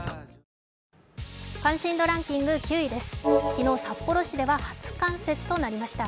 昨日、札幌市では初冠雪となりました。